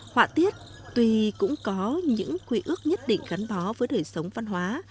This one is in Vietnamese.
hoa tiết tùy cũng có những quy ước nhất định gắn bó với đời sống văn hóa